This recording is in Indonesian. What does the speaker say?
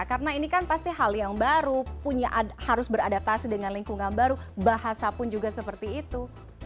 karena ini kan pasti hal yang baru harus beradaptasi dengan lingkungan baru bahasa pun juga seperti itu